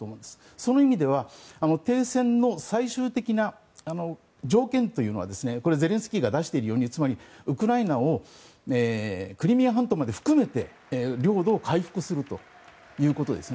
その意味では停戦の最終的な条件というのはゼレンスキーが出しているようにウクライナをクリミア半島まで含めて、領土を回復するということですね。